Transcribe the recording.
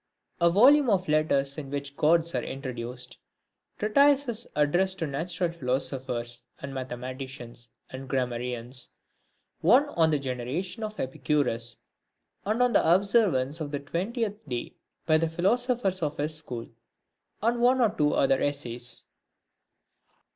25V a volume of Letters in which the Gods are introduced ; treatises addressed to the Natural Philosophers, and Mathematicians, and Grammarians ; one on the Generations of Epicurus, and on the Observance of the Twentieth Day by the philosophers of his school ; and one or two other essays.